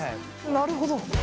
なるほど。